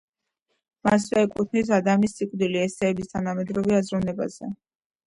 მასვე ეკუთვნის „ადამის სიკვდილი: ესეები თანამედროვე აზროვნებაზე“.